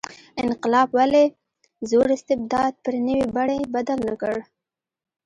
انقلاب ولې زوړ استبداد پر نوې بڼې بدل نه کړ.